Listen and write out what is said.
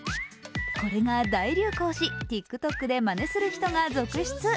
これが大流行し、ＴｉｋＴｏｋでまねする人が続出。